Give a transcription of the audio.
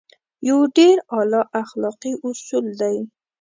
يو ډېر اعلی اخلاقي اصول دی.